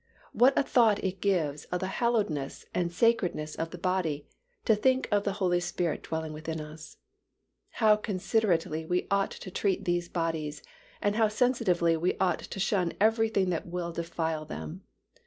What a thought it gives of the hallowedness and sacredness of the body, to think of the Holy Spirit dwelling within us. How considerately we ought to treat these bodies and how sensitively we ought to shun everything that will defile them.